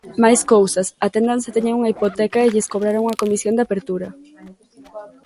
Máis cousas: atendan se teñen unha hipoteca e lles cobraron unha comisión de apertura.